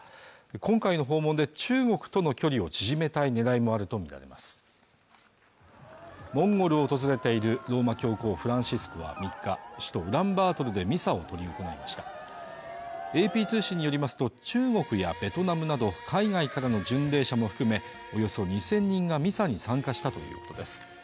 今回の訪問で中国との距離を縮めたい狙いもあると見られますモンゴルを訪れているローマ教皇フランシスコは３日首都ウランバートルでミサを執り行いましたＡＰ通信によりますと中国やベトナムなど海外からの巡礼者も含めおよそ２０００人がミサに参加したということです